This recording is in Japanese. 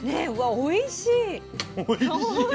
おいしい。